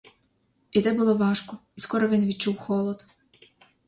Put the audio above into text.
Йти було важко, і скоро він відчув холод.